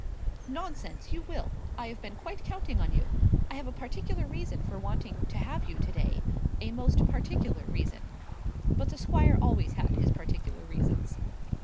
"Nonsense; you will. I have been quite counting on you. I have a particular reason for wanting to have you to day, a most particular reason." But the squire always had his particular reasons.